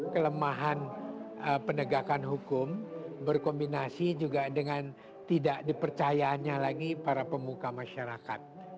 kelemahan penegakan hukum berkombinasi juga dengan tidak dipercayaannya lagi para pemuka masyarakat